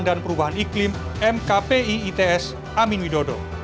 dan perubahan iklim mkpi its amin widodo